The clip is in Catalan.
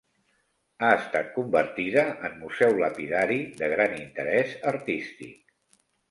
Ha estat convertida en museu lapidari de gran interès artístic.